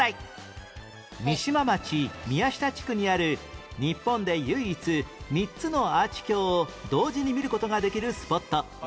三島町宮下地区にある日本で唯一３つのアーチ橋を同時に見る事ができるスポット